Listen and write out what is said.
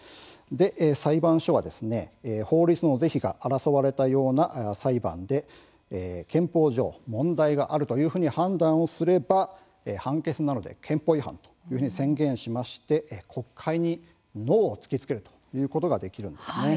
裁判所は法律の是非が争われたような裁判で憲法上、問題があるというふうに判断をすれば判決などで、憲法違反と宣言しまして国会に「ＮＯ」を突きつけることができるんです。